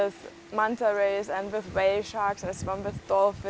yaitu saya mendapatkan pelanggan di sekeliling dunia dengan banyak makhluk laut yang luar biasa